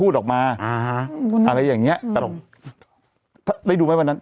ได้ดูไหมวันนั้น